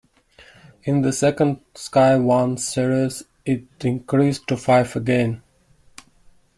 In the second Sky One series, it increased to five again.